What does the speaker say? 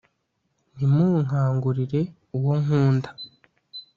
ntimunkangurire uwo nkunda